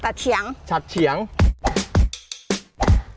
ตัดเฉียงชัดเฉียงตัดเฉียง